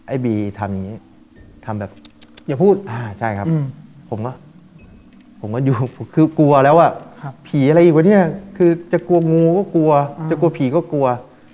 ไอ้บีทำแบบอย่าพูดผมก็อยู่คือกลัวแล้วอะผีอะไรอีกวะเนี่ยคือจะกลัวงูก็กลัวจะกลัวผีก็กลัว